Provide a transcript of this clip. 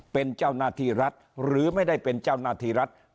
เป็นเจ้าหน้าที่รัฐหรือไม่ได้เป็นเจ้าหน้าที่รัฐ